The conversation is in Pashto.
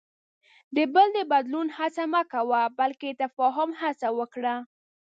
د بل د بدلون هڅه مه کوه، بلکې د تفاهم هڅه وکړه.